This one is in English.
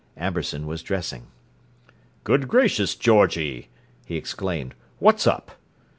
Amberson was dressing. "Good gracious, Georgie!" he exclaimed. "What's up?"